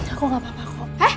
aku gak apa apa kok